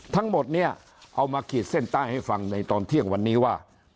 ทั้งหมดเนี่ยเอามาขีดเส้นใต้ให้ฟังในตอนเที่ยงวันนี้ว่า